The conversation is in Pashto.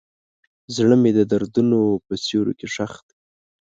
زړه مې د دردونو په سیوري کې ښخ دی.